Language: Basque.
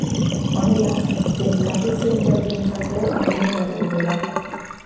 Honela, delicatessen jakientzako gune bat egongo da.